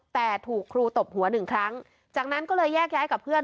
แต่ถูกครูตบหัวหนึ่งครั้งจากนั้นก็เลยแยกย้ายกับเพื่อน